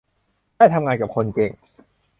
ได้ทำงานกับคนเก่ง